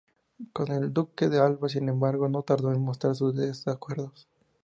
Con el Duque de Alba, sin embargo, no tardó en mostrar sus desacuerdos.